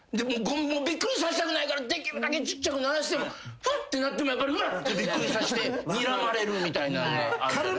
びっくりさせたくないからできるだけちっちゃく鳴らしてもファって鳴ってもやっぱうわってびっくりさせてにらまれるみたいなんがある。